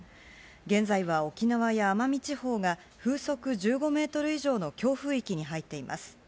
現在は沖縄や奄美地方が、風速１５メートル以上の強風域に入っています。